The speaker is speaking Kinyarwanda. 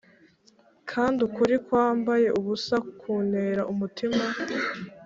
kandi ukuri kwambaye ubusa kuntera umutima